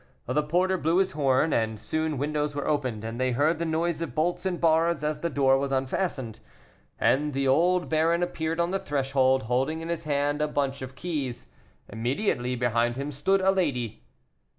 The porter blew his horn, and soon windows were opened, and they heard the noise of bolts and bars as the door was unfastened, and the old baron appeared on the threshold, holding in his hand a bunch of keys. Immediately behind him stood a lady.